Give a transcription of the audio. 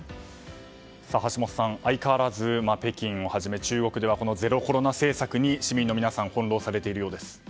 橋下さん、相変わらず北京をはじめ中国ではゼロコロナ政策に市民の皆さんは翻弄されているようです。